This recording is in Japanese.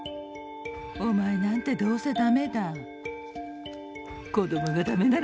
お前なんてどうせだめだ。